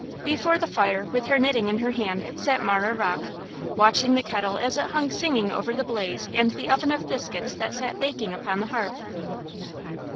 Before the fire, with her knitting in her hand, sat Marah Rocke, watching the kettle as it hung singing over the blaze and the oven of biscuits that sat baking upon the hearth.